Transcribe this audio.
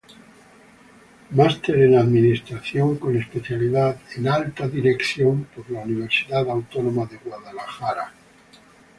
Máster en Administración con especialidad en Alta Dirección de la Universidad Autónoma de Guadalajara.